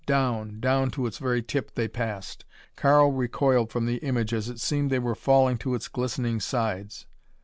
Down, down to its very tip they passed. Karl recoiled from the image as it seemed they were falling to its glistening sides.